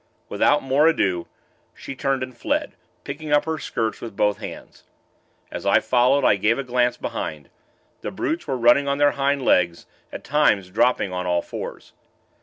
Without more ado, she turned and fled picking up her skirts with both hands. As I followed, I gave a glance behind. The brutes were running on their hind legs at times dropping on all fours.